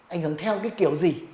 ảnh hưởng theo kiểu gì